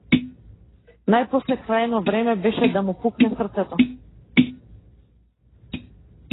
Најпосле крајно време беше да му пукне срцето.